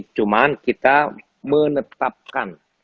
cuman kita menetapkan